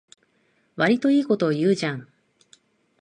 わりといいこと言うじゃん